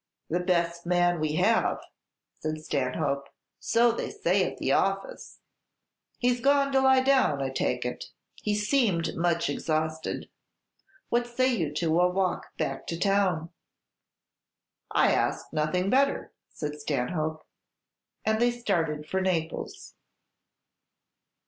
"The best man we have," said Stanhope; "so they say at the Office." "He's gone to lie down, I take it; he seemed much exhausted. What say you to a walk back to town?" "I ask nothing better," said Stanhope; and they started for Naples.